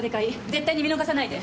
絶対に見逃さないで。